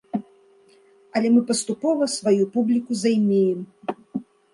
Але мы паступова сваю публіку займеем.